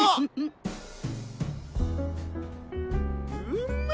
うめ！